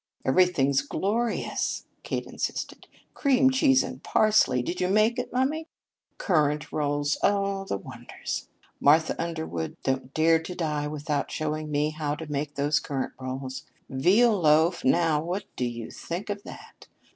"Everything's glorious," Kate insisted. "Cream cheese and parsley! Did you make it, mummy? Currant rolls oh, the wonders! Martha Underwood, don't dare to die without showing me how to make those currant rolls. Veal loaf now, what do you think of that?